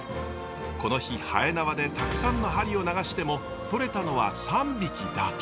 この日はえなわでたくさんの針を流してもとれたのは３匹だけ。